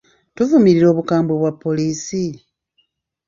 Tuvumirira obukambwe bwa poliisi?